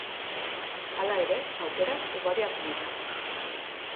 Hala ere, aukerak ugariak dira.